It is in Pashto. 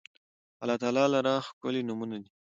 الله تعالی لره ښکلي نومونه دي